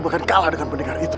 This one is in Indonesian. bukan kalah dengan pendekar itu